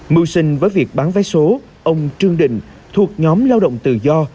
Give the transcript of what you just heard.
mưu sinh với việc bán vé số ông trương đình thuộc nhóm lao động tự do